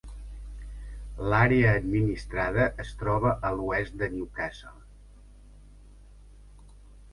L'àrea administrada es troba a l'oest de Newcastle.